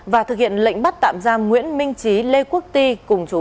và thực hiện lệnh bắt tạm giam nguyễn minh trí lê quốc ti cùng chú